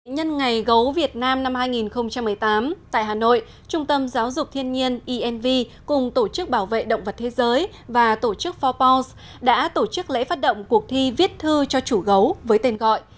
nhân ngày gấu việt nam năm hai nghìn một mươi tám tại hà nội trung tâm giáo dục thiên nhiên inv cùng tổ chức bảo vệ động vật thế giới và tổ chức forbour đã tổ chức lễ phát động cuộc thi viết thư cho chủ gấu với tên gọi